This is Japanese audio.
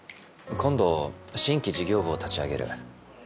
今度新規事業部を立ち上げる。